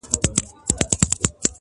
هر نظر دي زما لپاره د فتنو دی,